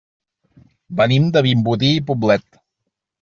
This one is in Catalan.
Venim de Vimbodí i Poblet.